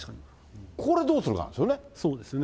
これ、どうするかですよね。